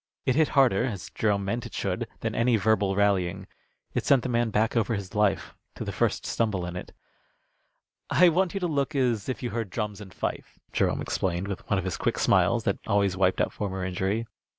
It hit harder, as Jerome meant it should, than any verbal rallying. It sent the man back over his own life to the first stumble in it. "I want you to look as if you heard drums and fife," Jerome explained, with one of his quick smiles, that always wiped out former injury.